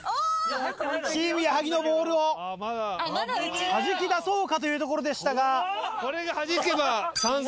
チーム矢作のボールをはじき出そうかというところでしたが。